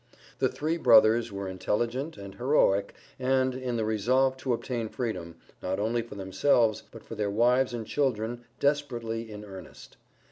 The three brothers were intelligent, and heroic, and, in the resolve to obtain freedom, not only for themselves, but for their wives and children desperately in earnest.